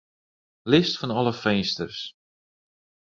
List fan alle finsters.